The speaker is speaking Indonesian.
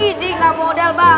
ini gak modal banget